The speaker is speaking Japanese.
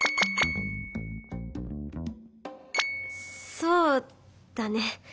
「そうだね」。